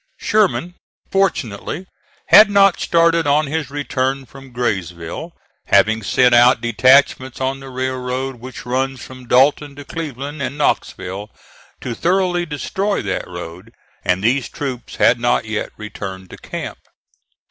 Sherman, fortunately, had not started on his return from Graysville, having sent out detachments on the railroad which runs from Dalton to Cleveland and Knoxville to thoroughly destroy that road, and these troops had not yet returned to camp.